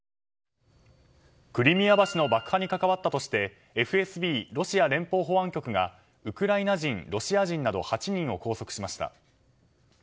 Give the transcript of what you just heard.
クリミア橋の爆破に関わったとしてＦＳＢ・ロシア連邦保安局がウクライナ人、ロシア人など８人を拘束しました。